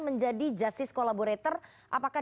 menjadi justice collaborator apakah